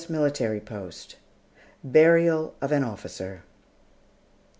MILITARY POST BURIAL OF AN OFFICER.